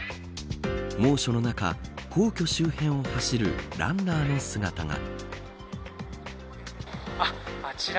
猛暑の中皇居周辺を走るランナーの姿が。